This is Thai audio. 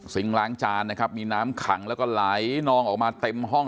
ซิงค์ล้านจานมีน้ำคังแล้วก็ไหลนออกมาเต็มห้อง